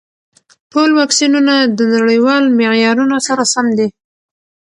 ټول واکسینونه د نړیوال معیارونو سره سم دي.